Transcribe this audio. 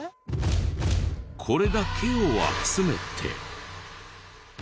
これだけを集めて。